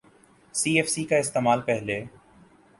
سی F C کا استعمال پہلے